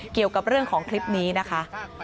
เกี่ยวกับเรื่องของคลิปนี้นะคะ